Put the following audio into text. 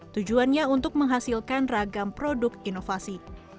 tujuannya untuk menghasilkan ragam produk inovasi